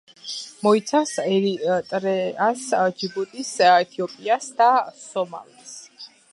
მოიცავს ერიტრეას, ჯიბუტის, ეთიოპიას და სომალის.